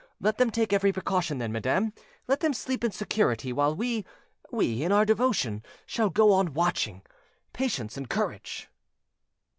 Let them take every precaution, then, madam; let them sleep in security, while we, we, in our devotion, shall go on watching. "Patience and courage!"